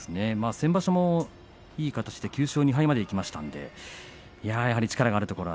先場所もいい形で９勝２敗までいきました。